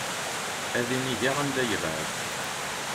Ad inigeɣ anda yebɛed.